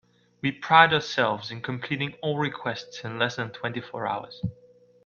We pride ourselves in completing all requests in less than twenty four hours.